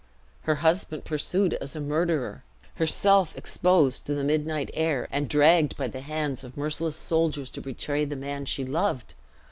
Her husband pursued as a murderer; herself exposed to the midnight air, and dragged by the hands of merciless soldiers to betray the man she loved!